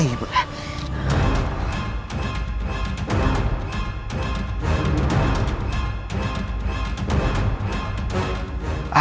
aku tetap curiga dengannya